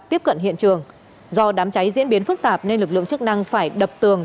tiếp cận hiện trường do đám cháy diễn biến phức tạp nên lực lượng chức năng phải đập tường